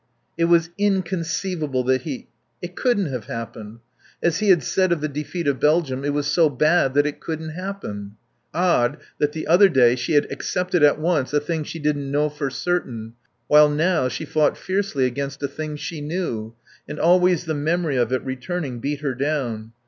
It was inconceivable that he It couldn't have happened. As he had said of the defeat of Belgium, it was so bad that it couldn't happen. Odd, that the other day she had accepted at once a thing she didn't know for certain, while now she fought fiercely against a thing she knew; and always the memory of it, returning, beat her down.